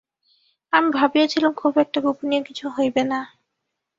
আমি ভাবিয়াছিলাম, খুব একটা গোপনীয় কিছু হইবে বা।